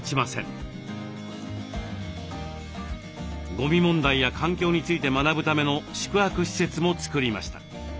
ゴミ問題や環境について学ぶための宿泊施設も作りました。